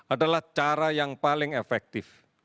adalah cara yang paling efektif